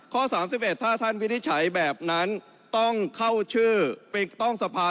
๓๑ถ้าท่านวินิจฉัยแบบนั้นต้องเข้าชื่อปิกต้องสภา